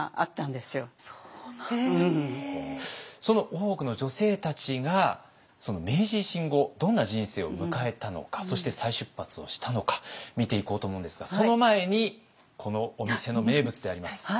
その大奥の女性たちが明治維新後どんな人生を迎えたのかそして再出発をしたのか見ていこうと思うんですがその前にこのお店の名物であります